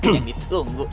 yang gitu tunggu